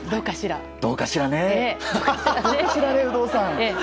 どうかしらね、有働さん。